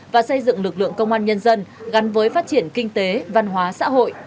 và xây dựng lực lượng công an nhân dân gắn với phát triển kinh tế văn hóa xã hội